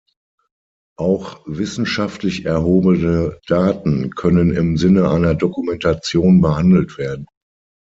Auch wissenschaftlich erhobene Daten können im Sinne einer Dokumentation behandelt werden.